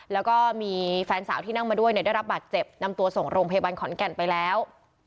แล้วก็มีแฟนสาวที่นั่งมาด้วยเนี่ยได้รับบาดเจ็บนำตัวส่งโรงพยาบาลขอนแก่นไปแล้ว